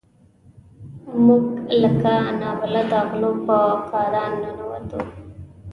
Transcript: موږ لکه نابلده غلو په کادان ننوتو.